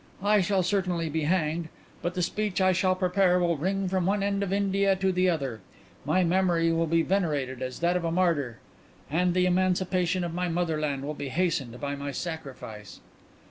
"I shall certainly be hanged, but the speech I shall prepare will ring from one end of India to the other; my memory will be venerated as that of a martyr; and the emancipation of my motherland will be hastened by my sacrifice."